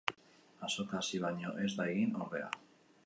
Azoka hasi baino ez da egin, ordea.